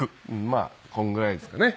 まあこんぐらいですかね。